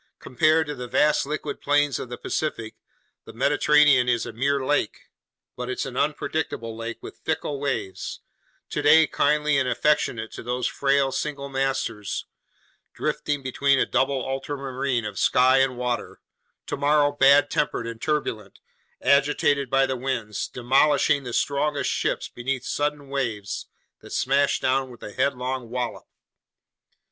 Compared to the vast liquid plains of the Pacific, the Mediterranean is a mere lake, but it's an unpredictable lake with fickle waves, today kindly and affectionate to those frail single masters drifting between a double ultramarine of sky and water, tomorrow bad tempered and turbulent, agitated by the winds, demolishing the strongest ships beneath sudden waves that smash down with a headlong wallop.